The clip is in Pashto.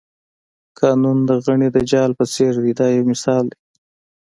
قانون د غڼې د جال په څېر دی دا یو مثال دی.